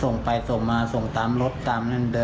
ส่งไปส่งมาส่งตามรถตาม